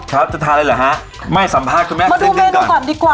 ครับจะทานอะไรเหรอฮะไม่สัมภาษณ์คุณแม่มาดูเมนูก่อนดีกว่า